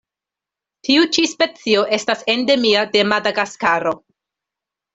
Tiu ĉi specio estas endemia de Madagaskaro.